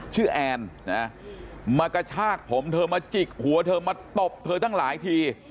แอนนะมากระชากผมเธอมาจิกหัวเธอมาตบเธอตั้งหลายที